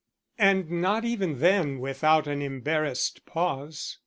And not even then without an embarrassed pause.